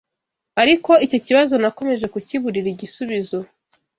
Ariko icyo kibazo nakomeje kukiburira igisubizo